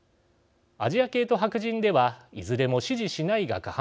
アジア系と白人ではいずれも「支持しない」が過半数でした。